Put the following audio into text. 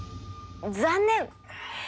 残念！